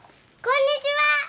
こんにちは！